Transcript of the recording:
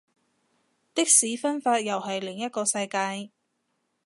的士分法又係另一個世界